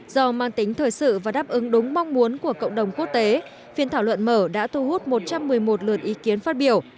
do mang tính thời sự và đáp ứng đúng mong muốn của cộng đồng quốc tế phiên thảo luận mở đã thu hút một trăm một mươi một lượt ý kiến phát biểu